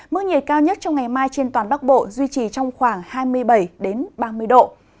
mức nhiệt cao nhất trong ngày mai trên toàn bắc bộ duy trì trong khoảng hai mươi bảy ba mươi độ